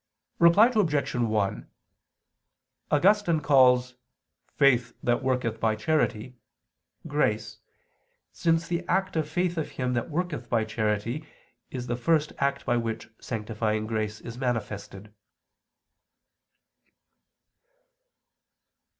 Reply Obj. 1: Augustine calls "faith that worketh by charity" grace, since the act of faith of him that worketh by charity is the first act by which sanctifying grace is manifested.